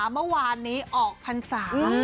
เมื่อวานนี้ออกพรรษา